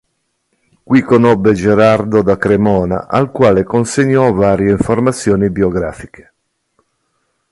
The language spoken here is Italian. Qui conobbe Gerardo da Cremona al quale consegnò varie informazioni biografiche.